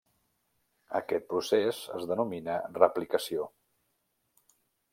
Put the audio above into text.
Aquest procés es denomina replicació.